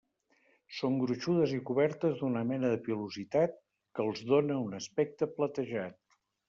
Són gruixudes i cobertes d'una mena de pilositat que els dóna un aspecte platejat.